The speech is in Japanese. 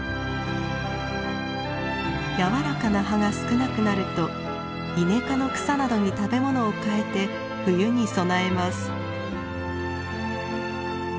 柔らかな葉が少なくなるとイネ科の草などに食べ物をかえて冬に備えます。